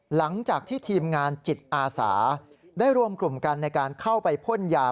หลังจากที่ทีมงานจิตอาสาได้รวมกลุ่มกันในการเข้าไปพ่นยา